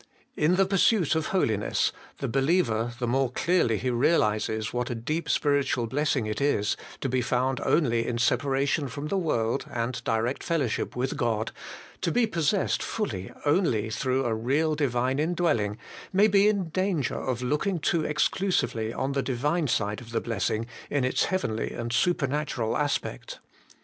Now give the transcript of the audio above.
In the pursuit of holiness, the believer, the more clearly he realizes what a deep spiritual blessing it is, to be found only in separa tion from the world, and direct fellowship with God, to be possessed fully only through a real Divine indwelling, may be in danger of looking too exclusively to the Divine side of the blessing, in its heavenly and supernatural aspect.